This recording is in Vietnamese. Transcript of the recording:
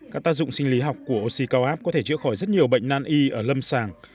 các tác dụng sinh lý học của oxy cao áp có thể chữa khỏi rất nhiều bệnh nan y ở lâm sàng